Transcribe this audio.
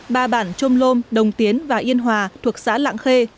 ba bản trôm lôm đồng tiến và yên hòa thuộc xã lạng khê